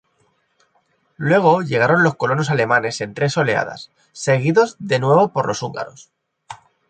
Luego llegaron los colonos alemanes en tres oleadas, seguidos de nuevo por los húngaros.